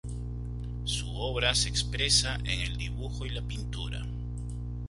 Su obra se expresa en el dibujo y la pintura.